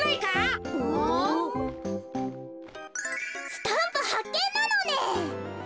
スタンプはっけんなのね。